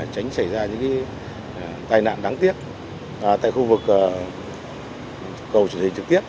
tránh xảy ra những tai nạn đáng tiếc tại khu vực cầu truyền hình trực tiếp